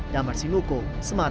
damar sinuko semangat